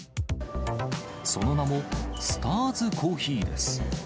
その名も、スターズコーヒーです。